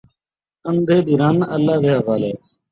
اندھے دی رن، اللہ دے حوالے